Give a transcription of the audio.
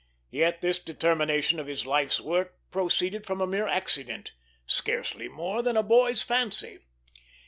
Yet this determination of his life's work proceeded from a mere accident, scarcely more than a boy's fancy.